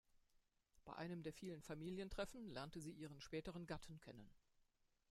Bei einem der vielen Familientreffen lernte sie ihren späteren Gatten kennen.